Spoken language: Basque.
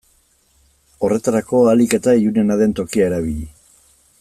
Horretarako ahalik eta ilunena den tokia erabili.